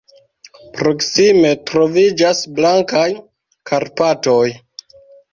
Proksime troviĝas Blankaj Karpatoj.